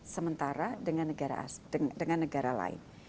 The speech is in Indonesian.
sementara dengan negara lain